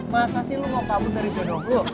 masa sih lu mau kabur dari jodoh lu